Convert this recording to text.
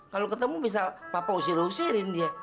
kalau ketemu bisa papa usir usirin dia